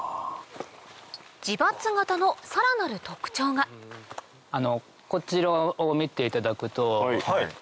自伐型のさらなる特徴がこちらを見ていただくと。